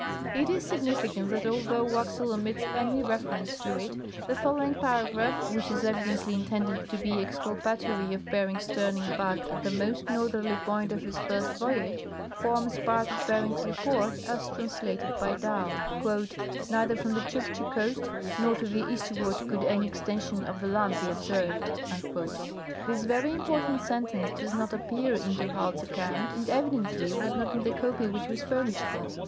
223 It is significant that although Waxel omits any reference to it, the following 2")aragraph, which is evidently intended to he excul patory of Bering's turning back at the most northerly point of his first voyage, forms part of Bering's report as translated by Dall :" Neither from the Chukchi coast nor to the eastward could any extension of the land be observed." This very impor tant sentence does not appear in du Halde's account, and evi dently was not in the copy which was furnished him.